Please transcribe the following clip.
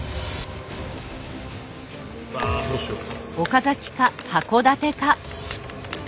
ああどうしよう。